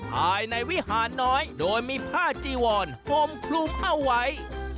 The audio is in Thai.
ภายในวิหารน้อยโดยมีผ้าจีวอนห่มคลุมเอาไว้